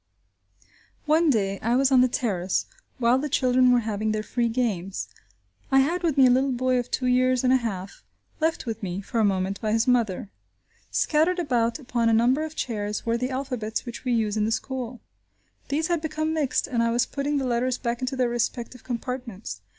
One day I was on the terrace while the children were having their free games; I had with me a little boy of two years and a half left with me, for a moment, by his mother. Scattered about upon a number of chairs, were the alphabets which we use in the school. These had become mixed, and I was putting the letters back into their respective compartments.